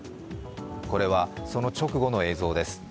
これはその直後の映像です。